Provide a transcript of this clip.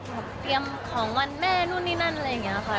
เตรียมของวันแม่นู่นนี่นั่นอะไรอย่างนี้ค่ะ